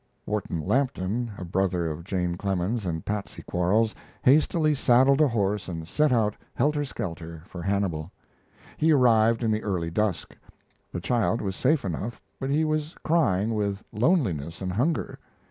Wharton Lampton, a brother of Jane Clemens and Patsey Quarles, hastily saddled a horse and set out, helter skelter, for Hannibal. He arrived in the early dusk. The child was safe enough, but he was crying with loneliness and hunger.